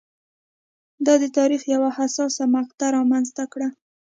دا د تاریخ یوه حساسه مقطعه رامنځته کړه.